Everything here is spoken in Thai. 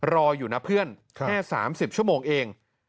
รออยู่นะเพื่อนแค่๓๐ชั่วโมงเอง